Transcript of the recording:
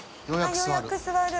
ようやく座る。